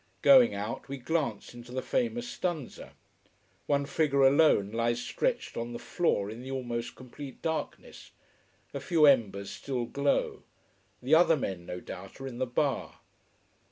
Going out, we glance into the famous stanza. One figure alone lies stretched on the floor in the almost complete darkness. A few embers still glow. The other men no doubt are in the bar.